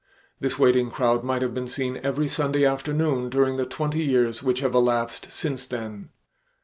This waiting crowd might have been seen every Sunday afternoon during the twenty years which have elapsed since then.